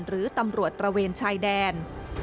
หรือตำรวจตระเวนชายแดน